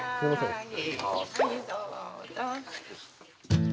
はいどうぞ。